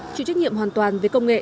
chủ trách nhiệm hoàn toàn về công nghệ